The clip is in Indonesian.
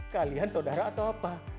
kalian saudara atau apa